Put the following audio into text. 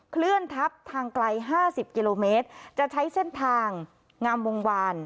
เคลื่อนทับทางไกล๕๐กิโลเมตรจะใช้เส้นทางงามวงวาน